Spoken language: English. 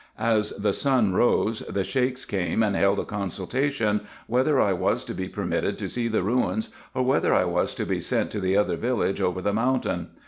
As the sun rose, the Sheiks came and held a consultation, whether I was to be permitted to see the ruins, or whether I was to be sent to the other village over the mountain.